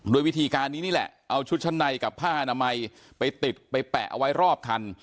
โดยวิธีการนี้นี่แหละเอาชุดชั้นในกับผ้าอนามัยไปติดไปแปะเอาไว้รอบคัน